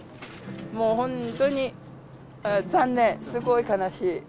もう本当に、残念、すごい悲しい。